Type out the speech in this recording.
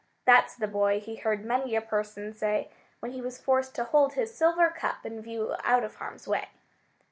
"That's the boy," he heard many a person say when he was forced to hold his silver cup in view out of harm's way.